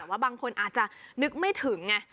ว่าบางคนอาจจะนึกไม่ถึงไง